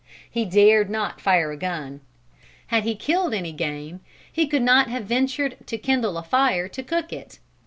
He dared not fire a gun. Had he killed any game he could not have ventured to kindle a fire to cook it.